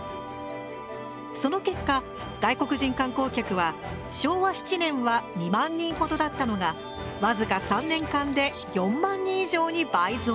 その結果外国人観光客は昭和７年は２万人ほどだったのが僅か３年間で４万人以上に倍増。